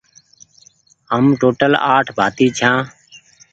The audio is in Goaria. هم ٽوٽل آٺ ڀآتي ڇآن